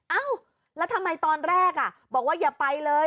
เอ้าแล้วทำไมตอนแรกบอกว่าอย่าไปเลย